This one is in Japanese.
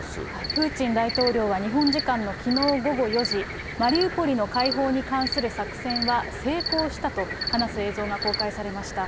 プーチン大統領は日本時間のきのう午後４時、マリウポリの解放に関する作戦は成功したと話す映像が公開されました。